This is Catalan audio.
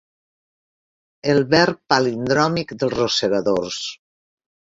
El verb palindròmic dels rosegadors.